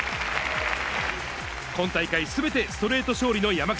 今大会すべてストレート勝利の山口。